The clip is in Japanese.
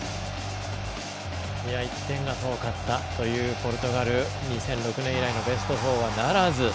１点が遠かったというポルトガル、２００６年以来のベスト４はならず。